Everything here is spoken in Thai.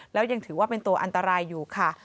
แล้วยังถือว่าเป็นตัวอันตรายอยู่ค่ะ